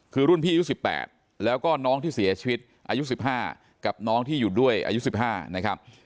คือรุ่นพี่อายุสิบแปดแล้วก็น้องที่เสียชีวิตอายุสิบห้ากับน้องที่อยู่ด้วยอายุสิบห้านะครับ